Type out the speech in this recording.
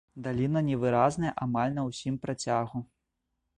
Даліна невыразная амаль на ўсім працягу.